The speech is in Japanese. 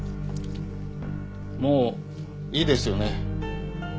もういいですよね？